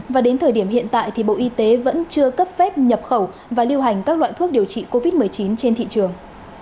và đến thời điểm hiện tại thì bộ y tế vẫn chưa cấp phép nhập khẩu và lưu hành các loại thuốc điều trị covid một mươi chín trên thị trường